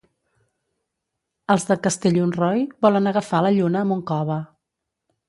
Els de Castellonroi volen agafar la lluna amb un cove.